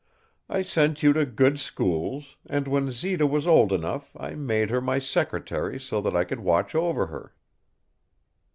I sent you to good schools, and when Zita was old enough I made her my secretary so that I could watch over her.